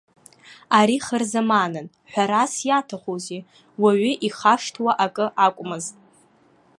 Ари хырзаманын, ҳәарас иаҭахузеи, уаҩ ихашҭуа ак акәмызт.